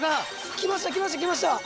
きましたきましたきました。